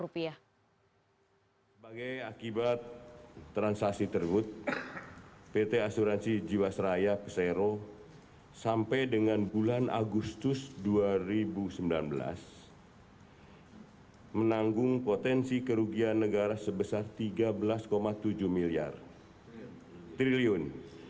sebagai akibat transaksi tergut pt asuransi jiwasraya pesero sampai dengan bulan agustus dua ribu sembilan belas menanggung potensi kerugian negara sebesar rp tiga belas tujuh triliun